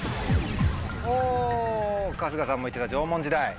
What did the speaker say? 春日さんも言ってた縄文時代。